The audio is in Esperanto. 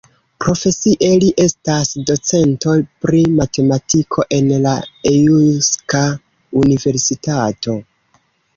Profesie li estas docento pri matematiko en la Eŭska Universitato.